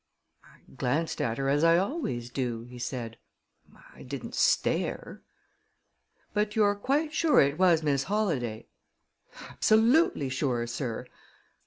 "I glanced at her, as I always do," he said. "I didn't stare." "But you're quite sure it was Miss Holladay?" "Absolutely sure, sir.